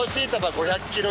５００キロ。